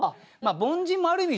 凡人もある意味